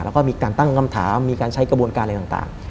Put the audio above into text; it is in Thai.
แล้วก็มีการตั้งคำถามมีการใช้กระบวนการอะไรต่าง